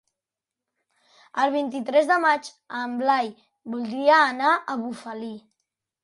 El vint-i-tres de maig en Blai voldria anar a Bufali.